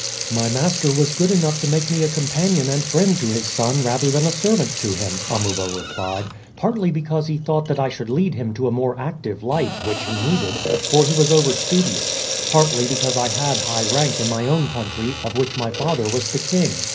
"My master was good enough to make me a companion and friend to his son rather than a servant to him," Amuba replied, "partly because he thought that I should lead him to a more active life, which he needed, for he was overstudious; partly because I had high rank in my own country, of which my father was the king.